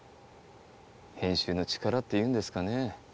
編集の力っていうんですかね。